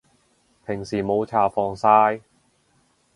平時冇搽防曬